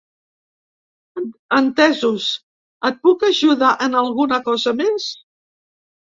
Entesos, et puc ajudar en alguna cosa més?